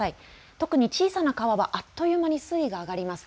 特に小さな川はあっという間に水位が上がります。